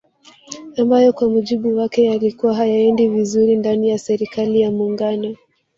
Ambayo kwa mujibu wake yalikuwa hayaendi vizuri ndani ya serikali ya Muungano